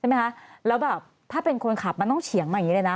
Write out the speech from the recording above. ไหมคะแล้วแบบถ้าเป็นคนขับมันต้องเฉียงมาอย่างนี้เลยนะ